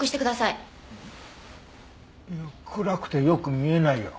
いや暗くてよく見えないよ。